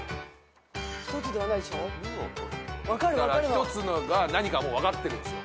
一つが何かもう分かってるんです。